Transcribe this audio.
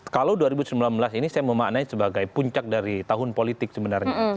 kalau dua ribu sembilan belas ini saya memaknai sebagai puncak dari tahun politik sebenarnya